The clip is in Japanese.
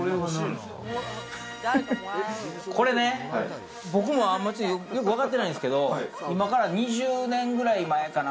これね、僕もあんまよくわかってないんですけど、今から２０年ぐらい前かな。